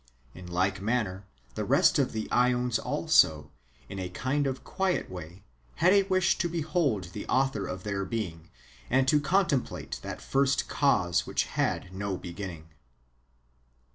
In like manner, the rest of the ^ons also, in a kind of quiet way, had a wish to behold the Author of their being, and to con template that First Cause which had no beginning.